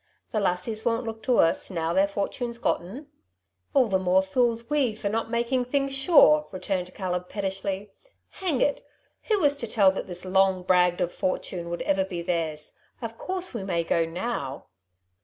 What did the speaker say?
" The lassies won^t look to us, now their fortune's gotten." " All the more fools we for not making things sure/' returned Caleb pettishly. " Hang it ! who was to tell that this long bragged of fortune would ever be theirs ? Of course we may go now.''